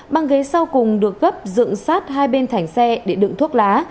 băng ghế sau cùng được gấp dựng sát hai bên thảnh xe để đựng thuốc lá